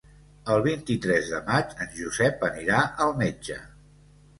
El vint-i-tres de maig en Josep anirà al metge.